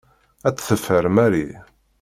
Ad tt-teffer Mary.